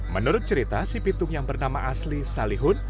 menurut cerita si pitung yang bernama asli salihun